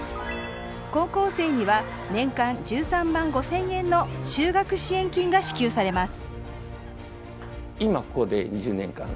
高校生には年間１３万５，０００円の就学支援金が支給されます